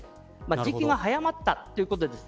時期が早まったということです。